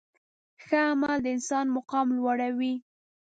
ښه عمل د انسان مقام لوړوي.